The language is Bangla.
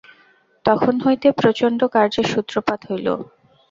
তখন হইতে প্রচণ্ড কার্যের সূত্রপাত হইল।